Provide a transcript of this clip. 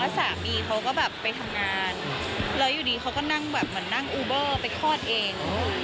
สามีเขาก็แบบไปทำงานแล้วอยู่ดีเขาก็นั่งแบบเหมือนนั่งอูเบอร์ไปคลอดเอง